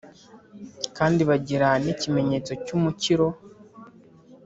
kandi bagira n’ikimenyetso cy’umukiro,